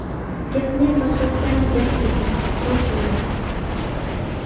گەپنى باشلىسام گەپ ئۇزۇن، قىسقىلا قىلاي!